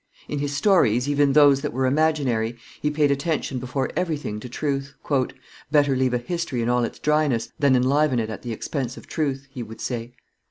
In his stories, even those that were imaginary, he paid attention before everything to truth. "Better leave a history in all its dryness than enliven it at the expense of truth," he would say.